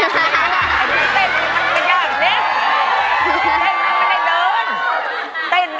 เต้นมันไม่ได้อย่างนี้